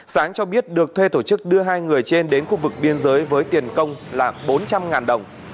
sáng cho biết được thuê tổ chức đưa hai người trên đến khu vực biên giới với tiền công là bốn trăm linh đồng